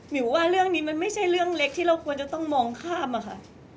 ว่าเรื่องนี้มันไม่ใช่เรื่องเล็กที่เราควรจะต้องมองข้ามอะค่ะ